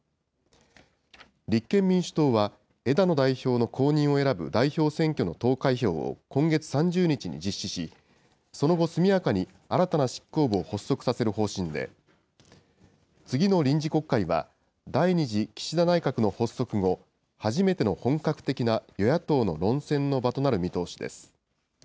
立憲民主党は、枝野代表の後任を選ぶ代表選挙の投開票を今月３０日に実施し、その後、速やかに新たな執行部を発足させる方針で、次の臨時国会は、第２次岸田内閣の発足後、初めての本格的な与野党の論戦の場となる見通しです。